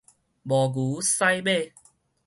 無牛駛馬